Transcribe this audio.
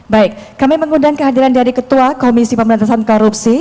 baik kami mengundang kehadiran dari ketua komisi pemberantasan korupsi